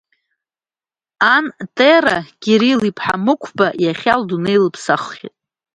Ан Тера Кирил-иԥҳа Мықәба иахьа лдунеи лыԥсаххьеит.